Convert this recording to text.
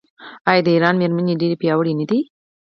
آیا د ایران میرمنې ډیرې پیاوړې نه دي؟